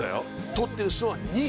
取ってる人は２位。